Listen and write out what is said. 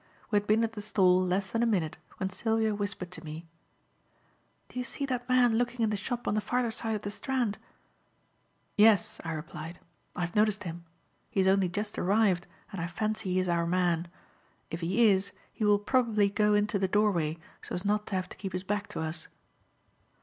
We had been at the stall less than a minute when Sylvia whispered to me: "Do you see that man looking in the shop on the farther side of the Strand?" "Yes," I replied, "I have noticed him. He has only just arrived, and I fancy he is our man. If he is, he will probably go into the doorway so as not to have to keep his back to us."